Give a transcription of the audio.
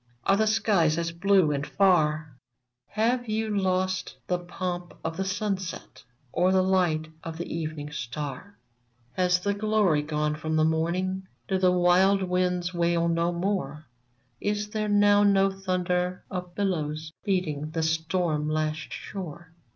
Are the skies as blue and far ? Have you lost the pomp of the sunset, Or the light of the evening star ? Has the glory gone from the iiiorning? Do the wild winds wail no more ? Is there now no thunder of billows Beating the stortn lashed shore